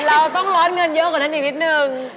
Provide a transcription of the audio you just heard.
เราต้องร้อนเงินเยอะกว่านั้นอีกนิดนึง